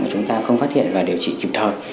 mà chúng ta không phát hiện và điều trị kịp thời